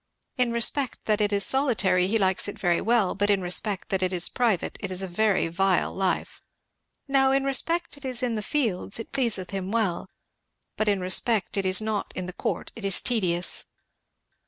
In respect that it is solitary, he likes it very well; but in respect that it is private, it is a very vile life. Now in respect it is in the fields, it pleaseth him well; but in respect it is not in the court, it is tedious.'"